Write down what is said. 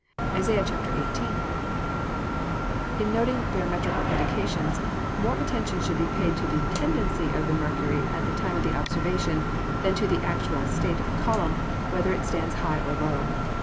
ISAIAH XVIII.] In noting barometrical indications, more attention should be paid to the tendency of the mercury at the time of the observation, than to the actual state of the column, whether it stands high or low.